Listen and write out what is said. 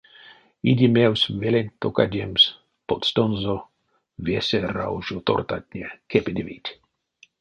Идемевсь веленть токадемс — потстонзо весе раужо тортатне кепедевить.